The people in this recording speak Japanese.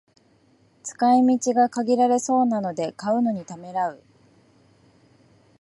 使い道が限られそうで買うのにためらう